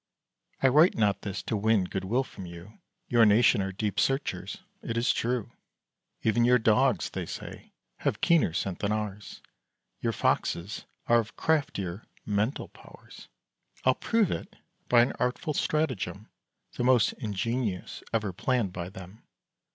I write not this to win good will from you; Your nation are deep searchers, it is true. Even your dogs, they say, have keener scent than ours; Your foxes are of craftier mental powers: I'll prove it, by an artful stratagem, The most ingenious ever planned by them.